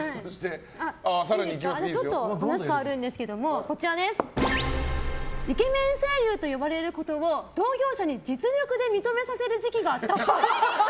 話変わるんですけどイケメン声優と呼ばれることを同業者に実力で認めさせる時期があったっぽい。